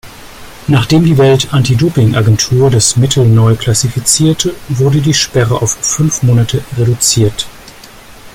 Nachdem die Welt-Anti-Doping-Agentur das Mittel neu klassifizierte, wurde die Sperre auf fünf Monate reduziert.